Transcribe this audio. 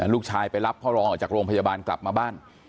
ลูกชายไปรับพ่อรองออกจากโรงพยาบาลกลับมาบ้าน